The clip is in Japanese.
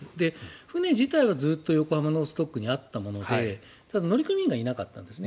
船自体はずっと横浜のストックにあったものでただ、乗組員がいなかったんですね。